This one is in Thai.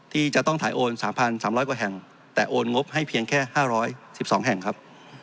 ที่จะต้องถ่ายโอน๓๓๐๐กว่าแห่งแต่โอนงบให้เพียงแค่๕๑๒แห่งครับ